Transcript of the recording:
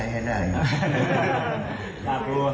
ครับ